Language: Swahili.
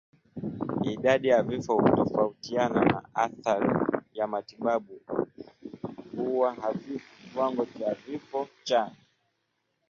Idadi ya vifo hutofautiana na athari ya matibabu huwa hafifu Kiwango cha vifo cha